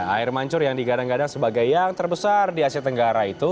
air mancur yang digadang gadang sebagai yang terbesar di asia tenggara itu